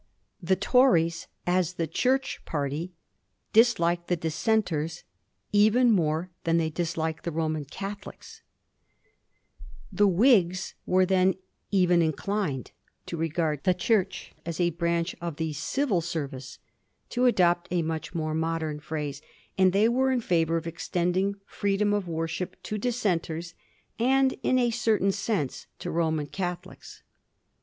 The Tories as the Church party disliked the Dissenters even more than they disliked the Roman Catholics. The Whiga Digiti zed by Google 17U HIGH CHURCH AND LOW CHURCH. 23 were then even inclined to regard the Church as a branch of the Civil Service, to adopt a much more modem phrase, and they were in favour of extending freedom of worship to Dissenters, and in a certain sense to Roman Catholics.